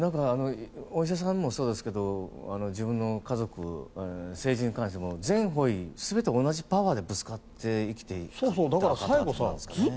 お医者さんもそうですけど自分の家族政治に関しても全方位、全て同じパワーでぶつかって生きているんですね。